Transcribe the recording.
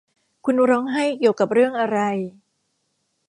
คุณร้องไห้เกี่ยวกับเรื่องอะไร